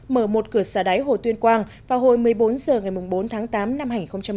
mở một cửa xả đáy hồ tuyên quang vào hồi một mươi bốn h ngày bốn tháng tám năm hai nghìn một mươi chín